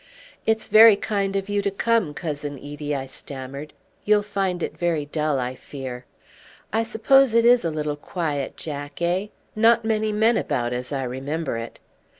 "It's very kind of you to come, Cousin Edie," I stammered. "You'll find it very dull, I fear." "I suppose it is a little quiet, Jack, eh? Not many men about, as I remember it."